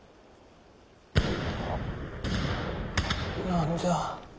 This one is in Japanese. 何じゃ？